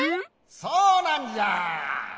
そうなんじゃ！